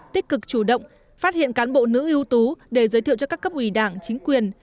tích cực chủ động phát hiện cán bộ nữ ưu tú để giới thiệu cho các cấp ủy đảng chính quyền